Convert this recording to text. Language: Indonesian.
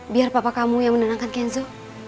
biar papa kamu yang menenangkan kenzo